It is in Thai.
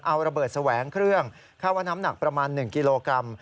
เอาระเบิดแสวงเครื่องค่าว่าน้ำหนักประมาณ๑กิโลกรัม